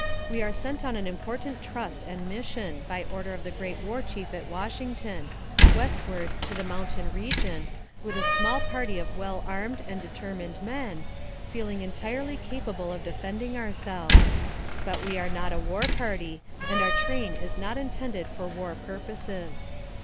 We are sent on an important trust and mis sion, by order of the great War Chief at Washington, westward to the mountain region, with a small party of well armed and determined men, feeling entirely capable of defending ourselves; but we are not a war party, and our train is not intended for war purposes.